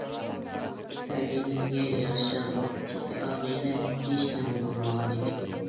تەلىيىمىزگە يارىشا بۇ ئىككى ئاغىنە ھېچنېمە بولمىغانىدى.